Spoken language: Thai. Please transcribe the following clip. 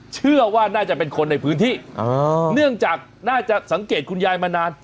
เชื่อว่าน่าจะเป็นคนในพื้นที่เนื่องจากน่าจะสังเกตคุณยายมานาน